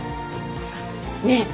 あっねえ